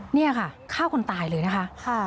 นี่ค่ะฆ่าคนตายเลยนะคะ